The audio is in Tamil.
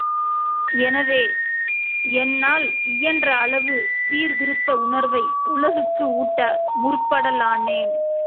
எனவே, என்னால் இயன்ற அளவு சீர்திருத்த உணர்வை உலகுக்கு ஊட்ட முற்படலானேன்.